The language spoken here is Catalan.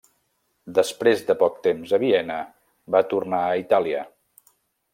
Després de poc temps a Viena, va tornar a Itàlia.